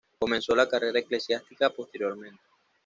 Comenzó la carrera eclesiástica posteriormente.